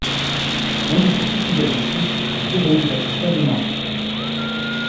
L'un de ses plus fidèles disciples est Giovanni Battista Lenardi.